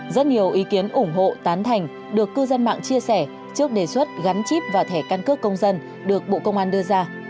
rất nhiều ý kiến ủng hộ tán thành được cư dân mạng chia sẻ trước đề xuất gắn chip và thẻ căn cước công dân được bộ công an đưa ra